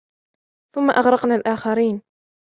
ثم أغرقنا الآخرين